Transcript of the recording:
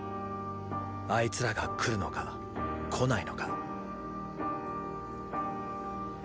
あいつらが来るのか来ないのか。